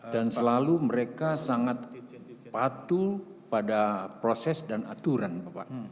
dan selalu mereka sangat patuh pada proses dan aturan bapak